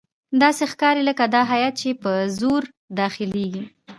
داسې ښکاري لکه دا هیات چې په زور داخليږي.